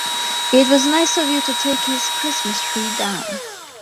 It was nice of you to take his Christmas tree down.